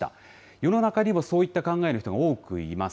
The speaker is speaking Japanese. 世の中にもそういった考えの人が多くいます。